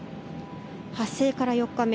発生から４日目。